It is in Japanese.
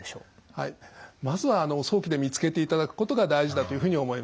はいまずは早期で見つけていただくことが大事だというふうに思います。